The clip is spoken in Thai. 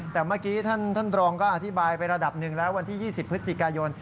แต่เมื่อกี้ท่านรองก็อธิบายไประดับหนึ่งแล้ววันที่๒๐พฤศจิกายน